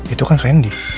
itu kan rendy